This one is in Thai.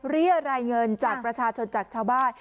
เรียกรายเงินจากประชาชนจากชาวบ้าน